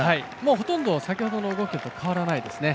ほとんど先ほどの動きと変わらないですよね。